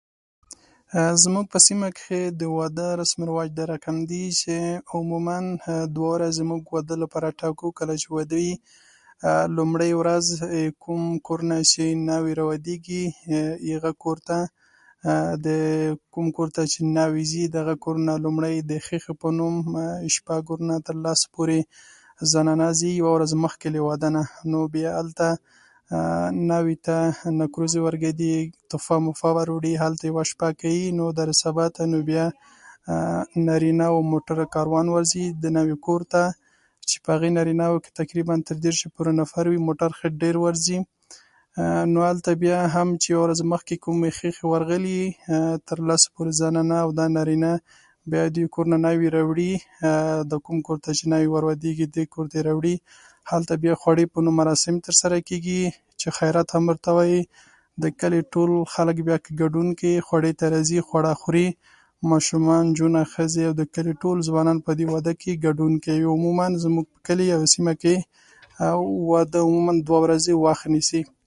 زموږ په سیمه کې د واده رسم و رواج دغه رقم دی چې عموماً، عه، دوه ورځې موږ د واده لپاره ټاکو. کله چې واده وي، عه، لومړۍ ورځ، کوم کور نه چې ناوې را واده کېږي، د هغه کور ته، عه عه، د کوم کور ته چې ناوې ځي، دغه کورونه لومړی د ښېښې په نوم شپږ کورونه تر لسو پورې ښځې ځي، یوه ورځ مخکې د واده نه. نو بیا هلته، عه عه، ناوې ته نکریزې ورته اېږدي، تحفه محفه وړ وړي. هلته یوه شپه کوي، تر سبا پورې. نور بیا، آه آه، د نارینه‌وو د موټرو کاروان ورځي، د ناوې کور ته. په هغه نارینه‌وو کې تقریباً تر دېرشو پورې نفر وي. موټر ښه ډېر ورځي، آه آه. نو هلته بیا هم چې یوه ورځ مخکې کومه ښېښه ورغلې وي، تر لسو پورې زنانه او نارینه بیا د کور نه ناوې راوړي، عه عه، د کوم کور ته چې ناوې ورته واده کېږي، دې کور ته یې راولي. هلته بیا د خوړه په نوم مراسم ترسره کېږي، چې خیرات هم ورته وایي. د کلي ټول خلک بیا کي ګډون کوي، خوړه ته راځي، خوړه خوري. ماشومان، نجونې، ښځې او د کلي ټول ځوانان په دې واده کې ګډون کوي. او عموماً زموږ په کلي او سیمه کې او واده عموماً دوه ورځې وخت نیسي.